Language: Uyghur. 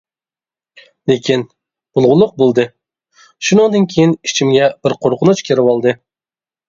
لېكىن، بولغۇلۇق بولدى، شۇنىڭدىن كېيىن ئىچىمگە بىر قورقۇنچ كىرىۋالدى.